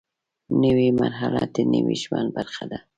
نوې مرحله د نوي ژوند برخه ده